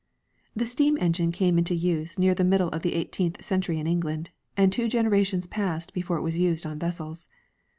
* The steam engine came into use near the middle of the eight eenth century in England, and two generations passed before it was used on vessels.